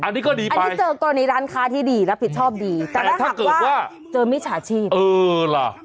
อันนี้ก็ดีอันนี้เจอกรณีร้านค้าที่ดีรับผิดชอบดีแต่ถ้าเกิดว่าเจอมิจฉาชีพเออล่ะ